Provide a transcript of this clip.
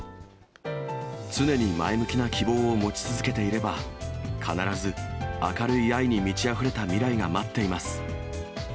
常に前向きな希望を持ち続けていれば、必ず明るい愛に満ちあふれた未来が待っています。